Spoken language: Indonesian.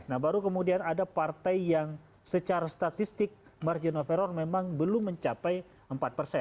nah baru kemudian ada partai yang secara statistik margin of error memang belum mencapai empat persen